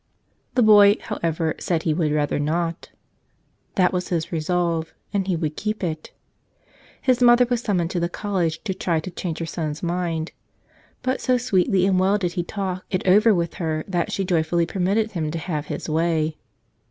The boy, however, said he would rather not. That was his resolve, and he would keep it. His mother was summoned to the college to try to change her son's mind; but so sweetly and well did he talk it over with her that she joyfully permitted him to have his way.